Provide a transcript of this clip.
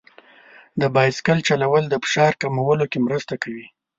د بایسکل چلول د فشار کمولو کې مرسته کوي.